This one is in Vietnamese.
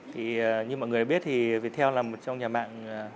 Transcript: thì như mọi người biết thì viettel là một trong nhà mạng